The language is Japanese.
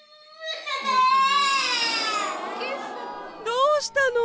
どうしたの？